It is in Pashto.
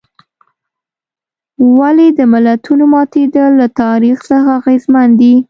ولې د ملتونو ماتېدل له تاریخ څخه اغېزمن دي.